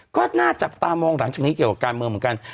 ก็น่าจับตามองหลังจากนี้เกี่ยวกับการเมืองเหมือนกัน